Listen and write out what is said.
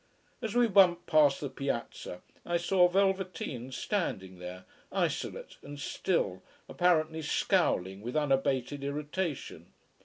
As we bumped past the "piazza" I saw Velveteens standing there, isolate, and still, apparently, scowling with unabated irritation.